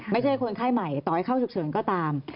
ไม่ใช่คนไข้ใหม่ต่อให้เข้าฉุกเฉินก็ตาม